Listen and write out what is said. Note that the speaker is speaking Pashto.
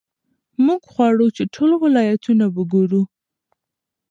موږ غواړو چې ټول ولایتونه وګورو.